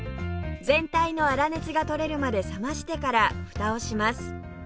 全体の粗熱が取れるまで冷ましてから蓋をします